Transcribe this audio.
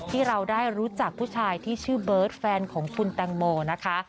ที่เราได้รู้จักผู้ชายที่ชื่อเบิร์ตแฟนของคุณแตงโมนะคะ